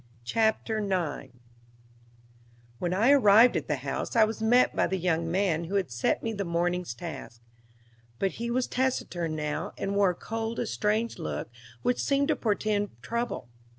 Chapter 9 When I arrived at the house I was met by the young man who had set me the morning's task; but he was taciturn now, and wore a cold, estranged look, which seemed to portend trouble.